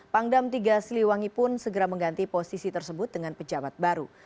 pangdam tiga siliwangi pun segera mengganti posisi tersebut dengan pejabat baru